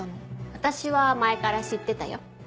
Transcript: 私は前から知ってたよ。